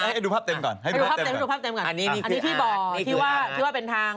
ให้ดูภาพเต็มอันนี้คืออาทอันนี่คือบ่ที่ว่าเป็นทาง